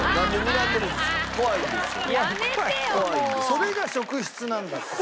それが職質なんだって。